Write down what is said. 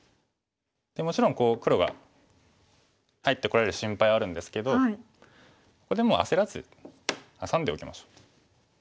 もちろん黒が入ってこられる心配はあるんですけどここでも焦らずハサんでおきましょう。